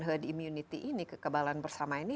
herd immunity ini kekebalan bersama ini